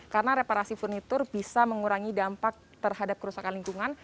karena reparasi furniture bisa mengurangi dampak terhadap kerusakan lingkungan